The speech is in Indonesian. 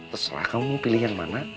terserah kamu pilih mana